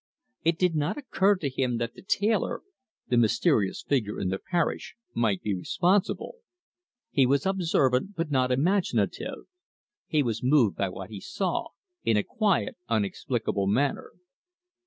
It did not occur to him that the tailor the mysterious figure in the parish might be responsible. He was observant, but not imaginative; he was moved by what he saw, in a quiet, unexplainable manner.